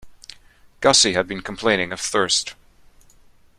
Gussie had been complaining of thirst.